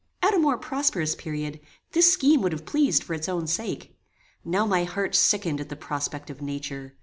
At a more prosperous period, this scheme would have pleased for its own sake. Now my heart sickened at the prospect of nature.